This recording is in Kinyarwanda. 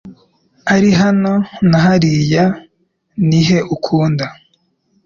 Ari hano na hariya nihe ukunda ?